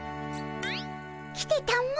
来てたも。